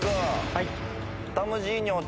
はい。